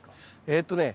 えっとね